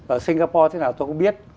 ở singapore thế nào tôi cũng biết